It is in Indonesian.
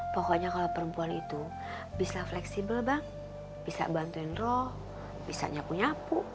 pokoknya kalau perempuan itu bisa fleksibel bang bisa bantuin roh bisa nyapu nyapu